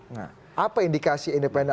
nah apa indikasi independen